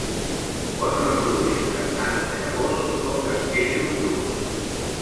Pot reproduir-se tant de llavors com d'esqueixos durs.